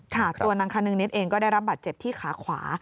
ตัวนางคนึงนิดเองก็ได้รับบาดเจ็บที่ขาขวา